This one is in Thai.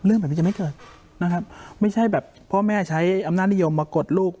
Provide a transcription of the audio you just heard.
เรื่องแบบนี้จะไม่เกิดนะครับไม่ใช่แบบพ่อแม่ใช้อำนาจนิยมมากดลูก